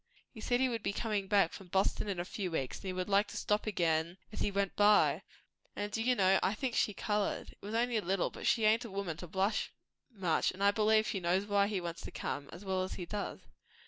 He said he would be comin' back from Boston in a few weeks, and he would like to stop again as he went by. And do you know I think she coloured. It was only a little, but she ain't a woman to blush much; and I believe she knows why he wants to come, as well as he does."